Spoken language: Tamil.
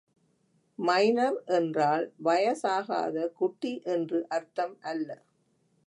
மைனர் என்றால், வயசாகாத குட்டி என்று அர்த்தம் அல்ல.